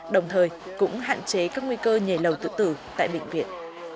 đồng thời cũng hạn chế các nguy cơ nhảy lầu tự tử tại bệnh viện